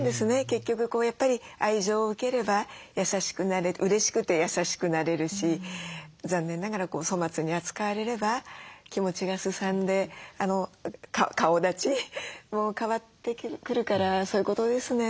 結局やっぱり愛情を受ければうれしくて優しくなれるし残念ながら粗末に扱われれば気持ちがすさんで顔だちも変わってくるからそういうことですね。